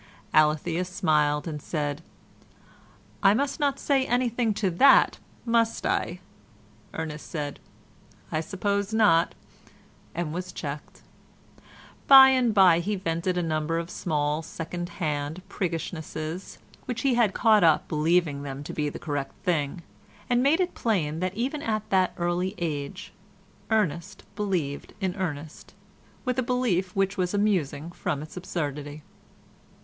Alethea smiled and said, "I must not say anything to that, must I?" Ernest said, "I suppose not," and was checked. By and by he vented a number of small second hand priggishnesses which he had caught up believing them to be the correct thing, and made it plain that even at that early age Ernest believed in Ernest with a belief which was amusing from its absurdity.